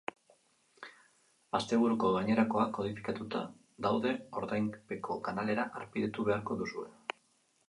Asteburuko gainerakoak kodifikatuta daude, ordainpeko kanalera harpidetu beharko duzue.